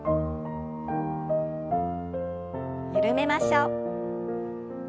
緩めましょう。